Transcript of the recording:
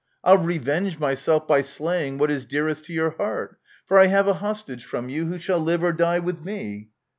I'll revenge myself by slaying what is dearest to your heart ; For I have a hostage from you, who shall live or die with me.